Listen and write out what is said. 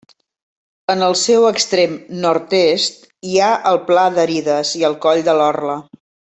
En el seu extrem nord-est hi ha el Pla d'Arides i el Coll de l'Orla.